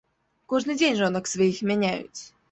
Кожны дзень жонак сваіх мяняюць.